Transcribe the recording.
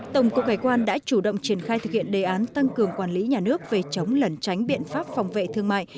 tổng cục hải quan đã chủ động triển khai thực hiện đề án tăng cường quản lý nhà nước về chống lẩn tránh biện pháp phòng vệ thương mại